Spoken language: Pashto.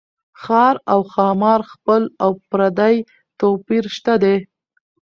ښار او ښامار خپل او پردي توپير شته دي